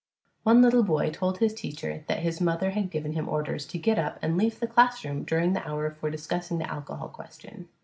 One little boy told his teacher that his mother had given him orders to get up and leave the classroom during the hour for discussing the alcohol question.